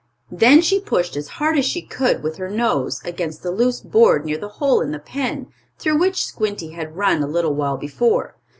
Then she pushed as hard as she could with her nose, against the loose board near the hole in the pen, through which Squinty had run a little while before.